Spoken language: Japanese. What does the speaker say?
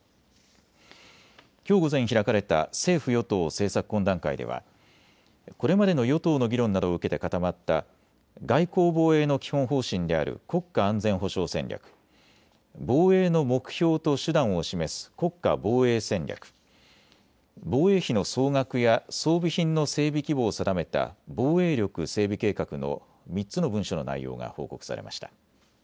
きょう午前、開かれた政府与党政策懇談会ではこれまでの与党の議論などを受けて固まった外交・防衛の基本方針である国家安全保障戦略、防衛の目標と手段を示す国家防衛戦略、防衛費の総額や装備品の整備規模を定めた防衛力整備計画の３つの文書の内容が報告されました。